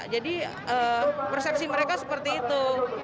jadi persepsi mereka seperti itu